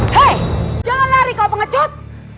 hei jangan lari kau mengejut